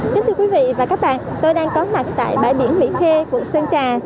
xin chào quý vị và các bạn tôi đang có mặt tại bãi biển mỹ khê quận sơn trà